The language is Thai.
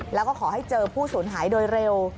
แล้วก็ขอให้เจอผู้สูญหายโดยเร็ว